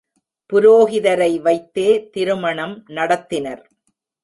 புரோகிதரை வைத்தே திருமணம் நடத்தினர்.